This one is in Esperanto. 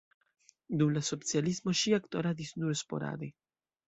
Dum la socialismo ŝi aktoradis nur sporade.